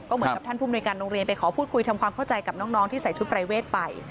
เหมือนกับท่านผู้มนุยการโรงเรียนไปขอพูดคุยทำความเข้าใจกับน้องที่ใส่ชุดปรายเวทไป